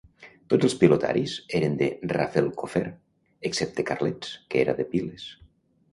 Tots els pilotaris eren de Rafelcofer, excepte Carlets, que era de Piles.